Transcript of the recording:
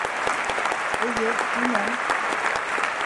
Эйе, һинән.